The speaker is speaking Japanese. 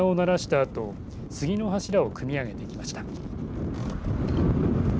あと杉の柱をくみ上げていきました。